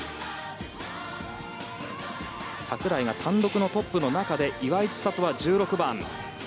櫻井が単独のトップの中で岩井千怜は１６番。